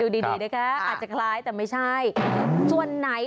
ดูดีเลยนะคะอาจจะคล้ายแต่ไม่ใช่